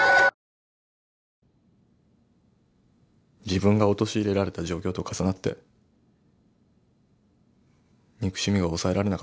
自分が陥れられた状況と重なって憎しみが抑えられなかった。